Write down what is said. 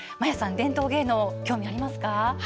伝統芸能に興味はありますか？